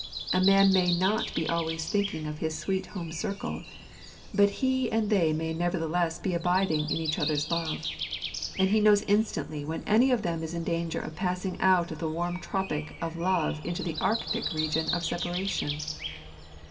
A man may not be always thinking of his sweet home circle ; but he and they may nevertheless be abiding in each other's love. And he knows instantly when any of them is in danger of passing out of the warm tropic of love into the arctic region of separation.